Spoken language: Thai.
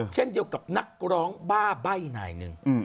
เช่นเดียวกับนักร้องบ้าใบ้นายหนึ่ง